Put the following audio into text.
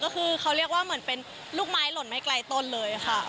ก็คือเขาเรียกว่าเหมือนเป็นลูกไม้หล่นไม่ไกลต้นเลยค่ะ